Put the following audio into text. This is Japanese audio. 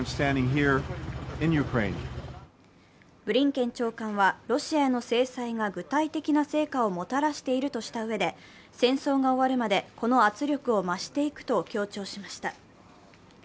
ブリンケン長官は、ロシアへの制裁が具体的な成果をもたらしているとしたうえで戦争が終わるまで、この圧力を増していくと強調しました。